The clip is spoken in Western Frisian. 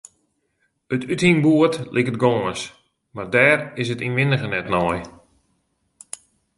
It úthingboerd liket gâns, mar dêr is 't ynwindige net nei.